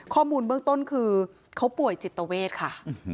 ข้อมูลเบื้องต้นคือเขาป่วยจิตเวทค่ะ